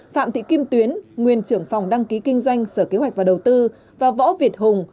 phạm thị kim tuyến nguyên trưởng phòng đăng ký kinh doanh sở kế hoạch và đầu tư và võ việt hùng